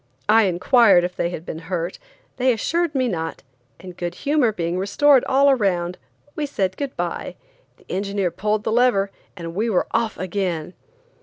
I inquired if they had been hurt; they assured me not, and good humor being restored all around, we said good bye, the engineer pulled the lever, and we were off again.